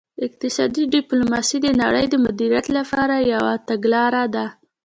اقتصادي ډیپلوماسي د نړۍ د مدیریت لپاره یوه تګلاره ده